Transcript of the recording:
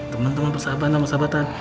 temen temen persahabatan sama persahabatan